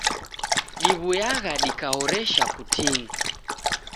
Diw'uyagha dikahoresha kutini.